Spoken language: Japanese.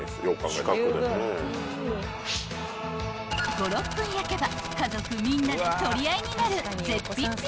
［５６分焼けば家族みんなで取り合いになる絶品ピザに］